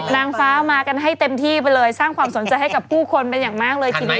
นางฟ้ามากันให้เต็มที่ไปเลยสร้างความสนใจให้กับผู้คนเป็นอย่างมากเลยทีเดียว